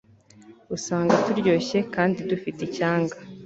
usanga turyoshye kandi dufite icyanga